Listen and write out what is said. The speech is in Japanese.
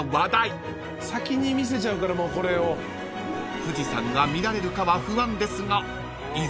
［富士山が見られるかは不安ですがいざ